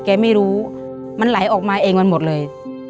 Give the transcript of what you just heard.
แกไม่รู้มันไหลออกมาเองมันหมดเลย